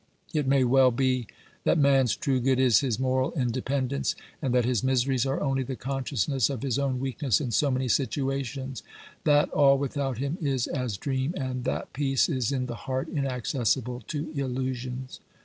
It may well be that man's true good is his moral indepen dence, and that his miseries are only the consciousness of his own weakness in so many situations ; that all without him is as dream, and that peace is in the heart inaccessible to illusions.